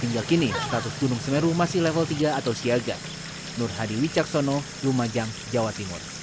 hingga kini status gunung semeru masih level tiga atau siagat